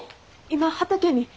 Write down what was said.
今畑に。